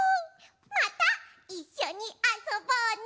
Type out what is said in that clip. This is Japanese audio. またいっしょにあそぼうね！